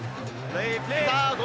さあ５